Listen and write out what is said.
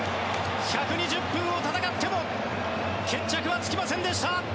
１２０分を戦っても決着はつきませんでした。